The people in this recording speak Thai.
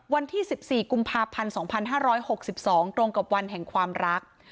วันที่๑๔กุมภาพันธ์๒๕๖๒ตรงกับวันแห่งความรัก